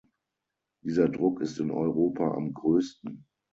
Dieser Druck ist in Europa am größten.